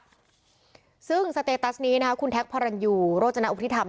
จริงครับซึ่งสเตตัสนี้นะคุณแท็กพรรณยูโรจนาอุทิธรรม